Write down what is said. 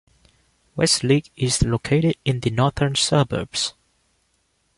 Westleigh is located in the Northern Suburbs.